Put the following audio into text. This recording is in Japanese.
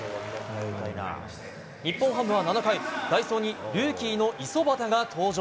日本ハムは７回代走にルーキーの五十幡が登場。